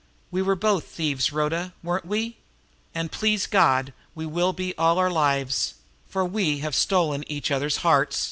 "We were both thieves, Rhoda, weren't we? And, please God, we will be all our lives for we have stolen each other's heart."